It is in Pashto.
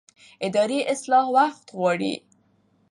اداري اصلاح وخت غواړي